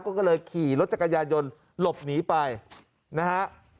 ก็เลยขี่รถจักรยานยนต์หลบหนีไปนะฮะ